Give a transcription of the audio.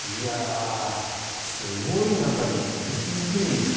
すごい中に居続けるんですよ。